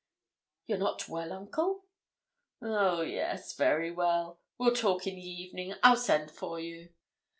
'You're not well, uncle?' 'Oh! yes, very well. We'll talk in the evening I'll send for you.'